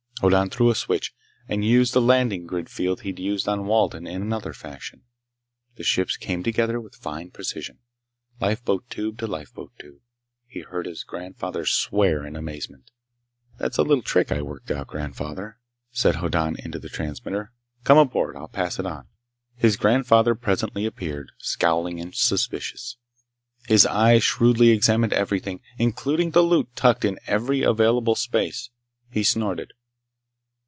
Hoddan threw a switch and used the landing grid field he'd used on Walden in another fashion. The ships came together with fine precision, lifeboat tube to lifeboat tube. He heard his grandfather swear in amazement. "That's a little trick I worked out, grandfather," said Hoddan into the transmitter. "Come aboard. I'll pass it on." His grandfather presently appeared, scowling and suspicious. His eyes shrewdly examined everything, including the loot tucked in every available space. He snorted.